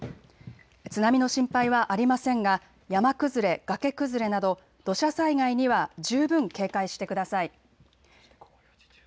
津波の心配はありませんが山崩れ、崖崩れなど土砂災害には十分警戒してください。